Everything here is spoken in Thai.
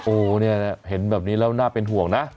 โอ้โหเนี่ยเห็นแบบนี้แล้วน่าเป็นห่วงนะ